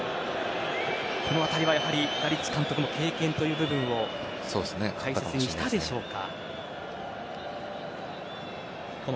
この辺りはダリッチ監督も経験という部分を大切にしたでしょうか。